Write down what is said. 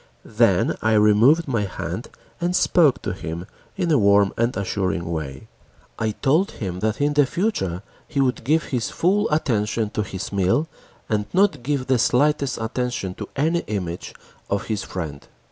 Then I removed my hand and spoke to him in a warm and assuring way. I told him that in future he would give his full attention to his meal, and not give the slightest attention to any image of his friend.